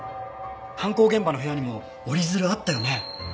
犯行現場の部屋にも折り鶴あったよね？